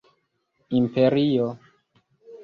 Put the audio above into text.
imperio